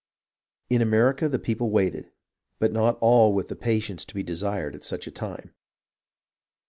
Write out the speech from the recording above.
In America the people waited, but not with all the patience to be desired at such a time.